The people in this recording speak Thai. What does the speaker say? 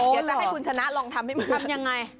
อยากจะให้คุณชนะลองทำให้เหมือนทำยังไง